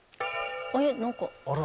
えっ？何か。